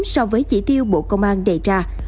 so với chỉ tiêu bộ công an đề ra